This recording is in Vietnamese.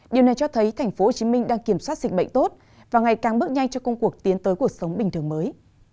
điều này cho thấy tp hcm đang kiểm soát dịch bệnh tốt và ngày càng bước nhanh cho công cuộc tiến tới cuộc sống bình thường mới